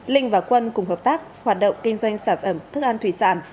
linh và quân cùng hợp tác hoạt động kinh doanh sản phẩm thức ăn thủy sản